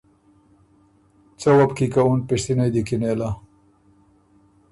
څۀ وه بو کی که اُن پِشتِنئ دی کی نېله۔